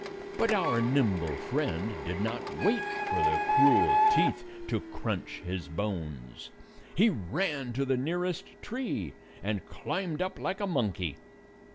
But our nimble friend did not wait for the cruel teeth to crunch his bones. He ran to the nearest tree, and climbed up like a monkey.